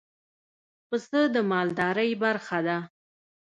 پسه د مالدارۍ برخه ده.